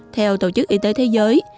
theo tổ chức y tế thế giới